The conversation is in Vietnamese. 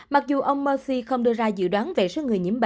mặc dù ông murthy không đưa ra dự đoán về số người nhiễm mới